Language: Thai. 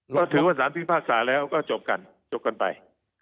ก็ถือว่าสารพิพากษาแล้วก็จบกันจบกันไป